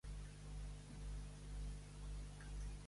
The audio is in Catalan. Què eren els pritans?